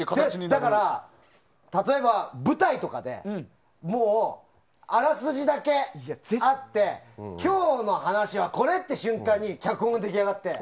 だから、例えば舞台とかでもう、あらすじだけあって今日の話はこれ！って瞬間に脚本が出来上がって。